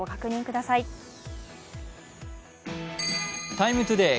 「ＴＩＭＥ，ＴＯＤＡＹ」